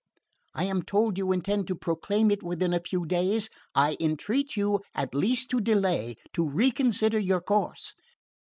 I am told you intend to proclaim it within a few days. I entreat you at least to delay, to reconsider your course.